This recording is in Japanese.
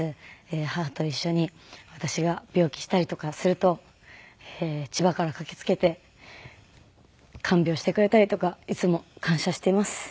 母と一緒に私が病気したりとかすると千葉から駆けつけて看病してくれたりとかいつも感謝しています。